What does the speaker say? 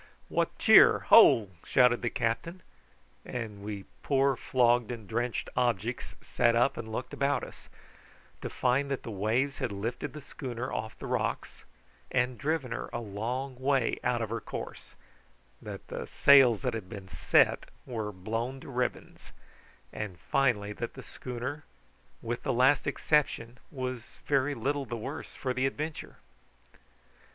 "What cheer, ho!" shouted the captain, and we poor flogged and drenched objects sat up and looked about us, to find that the waves had lifted the schooner off the rocks, and driven her a long way out of her course; that the sails that had been set were blown to ribbons; and finally that the schooner, with the last exception, was very little the worse for the adventure.